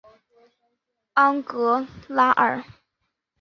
昂格拉尔。